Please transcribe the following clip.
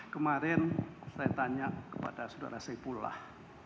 kemarin saya tanya kepada sudara sepulah